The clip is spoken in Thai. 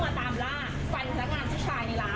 เขาเข้าหลังร้านหนูก็เอารถไปจอดตรงประตูหลังร้าน